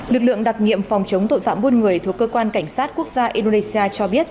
lực lượng đặc nhiệm phòng chống tội phạm buôn người thuộc cơ quan cảnh sát quốc gia indonesia cho biết